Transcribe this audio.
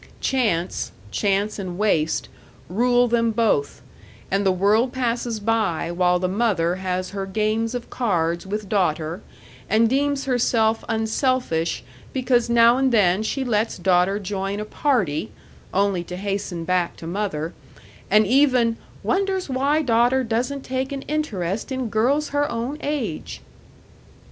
Chance, chance and waste, rule them both, and the world passes by while the mother has her games of cards with daughter, and deems herself unselfish because now and then she lets daughter join a party (only to hasten back to mother), and even "wonders why daughter doesn't take an interest in girls her own age."